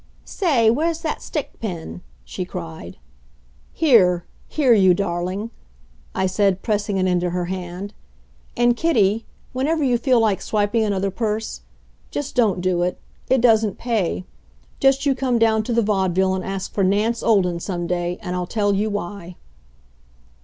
"Say, where's that stick pin?" she cried. "Here! here, you darling!" I said, pressing it into her hand. "And, Kitty, whenever you feel like swiping another purse just don't do it. It doesn't pay. Just you come down to the Vaudeville and ask for Nance Olden some day, and I'll tell you why."